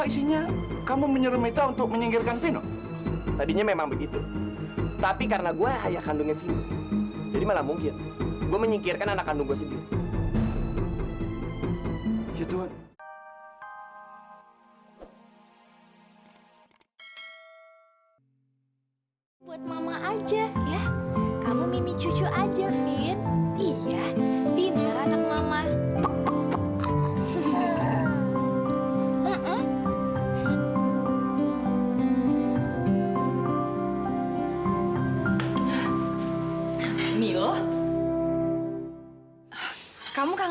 sampai jumpa di video selanjutnya